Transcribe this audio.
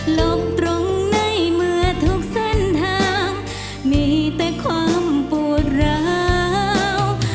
ลบตรงในเมื่อทุกเส้นทางมีแต่ความปวดร้าว